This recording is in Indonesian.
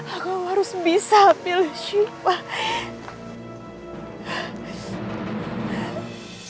aku harus bisa ambil sifat